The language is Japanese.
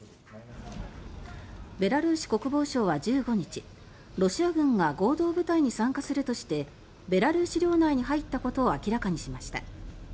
ベラルーシ国防省は１５日ロシア軍が合同部隊に参加するとしてベラルーシ領内に入ったことを明らかにしました。